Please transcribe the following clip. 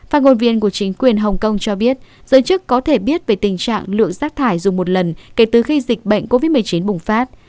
phát ngôn viên của chính quyền hồng kông cho biết giới chức có thể biết về tình trạng lượng rác thải dùng một lần kể từ khi dịch bệnh covid một mươi chín bùng phát